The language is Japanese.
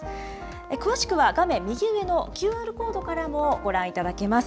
詳しくは画面右上のＱＲコードからもご覧いただけます。